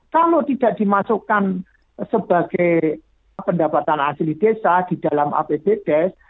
kalau tidak dimasukkan sebagai pendapatan asli desa di dalam apbdes